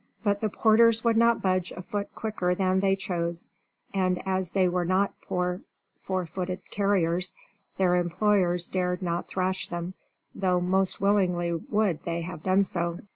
But the porters would not budge a foot quicker than they chose, and as they were not poor four footed carriers their employers dared not thrash them, though most willingly would they have done so.